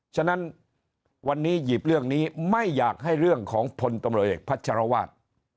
ฉะนั้นวันนี้หยิบเรื่องนี้ไม่อยากให้เรื่องของพลตำรวจเอกพัชรวาส